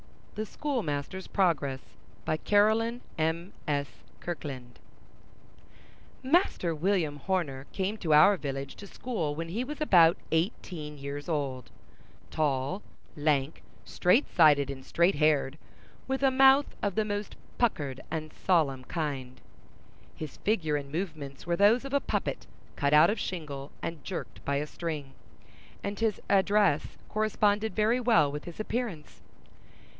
THE SCHOOLMASTER'S PROGRESS By Caroline M.S. Kirkland (1801–1864) Master William Horner came to our village to school when he was about eighteen years old: tall, lank, straight sided, and straight haired, with a mouth of the most puckered and solemn kind. His figure and movements were those of a puppet cut out of shingle and jerked by a string; and his address corresponded very well with his appearance.